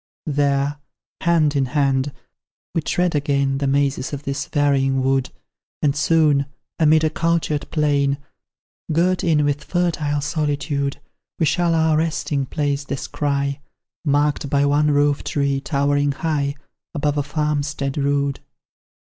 There hand in hand we tread again The mazes of this varying wood, And soon, amid a cultured plain, Girt in with fertile solitude, We shall our resting place descry, Marked by one roof tree, towering high Above a farmstead rude.